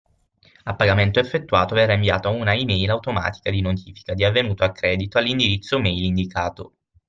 A pagamento effettuato verrà inviata una e-mail automatica di notifica di avvenuto accredito all’indirizzo mail indicato